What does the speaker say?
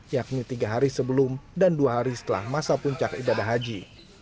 yakni tiga hari sebelum dan dua hari setelah masa puncak ibadah haji